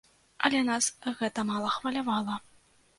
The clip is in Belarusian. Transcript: Але нас гэта мала хвалявала.